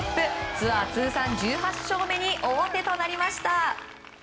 ツアー通算１８勝目に王手となりました。